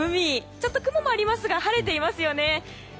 ちょっと雲もありますが晴れていますよね。